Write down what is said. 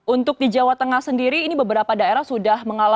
untuk di jawa tengah sendiri ini beberapa daerah sudah mengalami